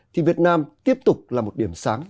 thì việt nam tiếp tục là một điểm sáng